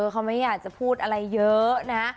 เขาไม่อยากจะพูดอะไรเยอะนะ